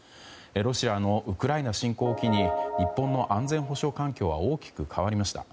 ロシアのウクライナ侵攻を機に日本の安全保障環境は大きく変わりました。